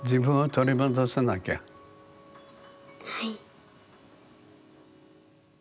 はい。